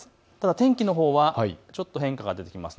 天気のほうはちょっと変化が出てきます。